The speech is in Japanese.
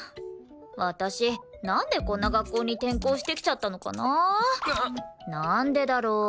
私なんでこんな学校に転校してきちゃったのかな？なんでだろう？